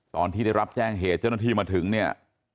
ตอนที่ได้รับแจ้งเหตุเจ้าหน้าที่มาถึงเนี่ย